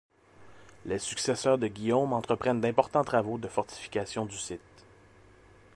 Les successeurs de Guillaume entreprennent d'importants travaux de fortification du site.